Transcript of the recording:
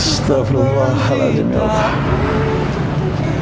setelah halal jenial